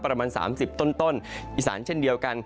ประมาณ๓๐ต้นอีสานเช่นเดียวกัน